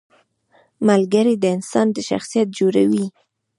• ملګری د انسان شخصیت جوړوي.